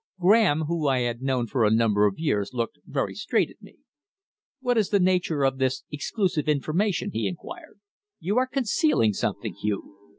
Graham, whom I had known for a number of years, looked very straight at me. "What is the nature of this exclusive information?" he inquired. "You are concealing something, Hugh."